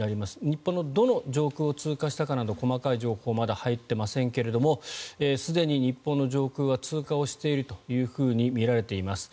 日本のどの上空を通過したかなど細かい情報はまだ入っていませんがすでに日本の上空は通過をしているとみられています。